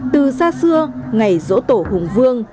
từ xa xưa ngày dỗ tổ hùng vương